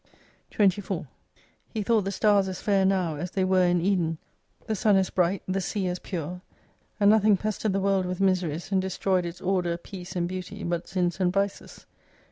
24 He thought the stars as fair now, as they were in Eden, the sun as bright, the sea as pure ; and nothing pestered the world with miseries, and destroyed its order, peace, and beauty but sins and vices.